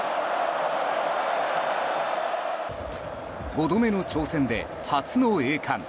５度目の挑戦で初の栄冠。